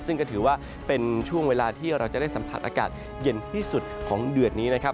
ซึ่งก็ถือว่าเป็นช่วงเวลาที่เราจะได้สัมผัสอากาศเย็นที่สุดของเดือดนี้นะครับ